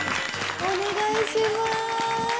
お願いします。